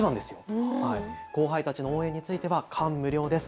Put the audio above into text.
後輩たちの応援については感無量です。